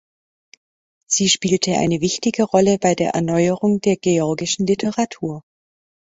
Sie spielte eine wichtige Rolle bei der Erneuerung der georgischen Literatur.